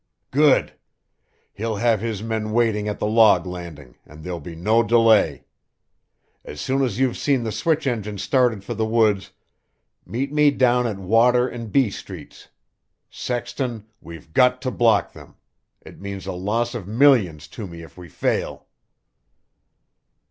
Good! He'll have his men waiting at the log landing, and there'll be no delay. As soon as you've seen the switch engine started for the woods, meet me down at Water and B streets. Sexton, we've got to block them. It means a loss of millions to me if we fail!"